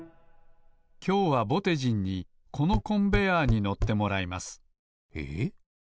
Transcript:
きょうはぼてじんにこのコンベアーにのってもらいますえっ？